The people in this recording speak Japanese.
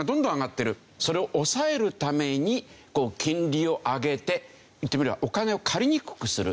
それを抑えるためにこう金利を上げて言ってみればお金を借りにくくする。